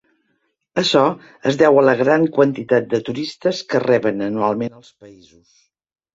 Açò es deu a la gran quantitat de turistes que reben anualment els països.